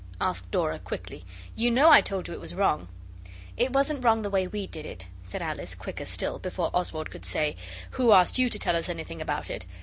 asked Dora quickly. 'You know I told you it was wrong.' 'It wasn't wrong the way we did it,' said Alice, quicker still, before Oswald could say, 'Who asked you to tell us anything about it?